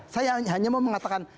saya hanya mau mengatakan